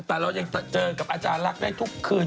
แต่เราเจอกับอาจารย์รักได้ทุกคืน